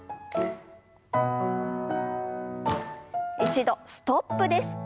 一度ストップです。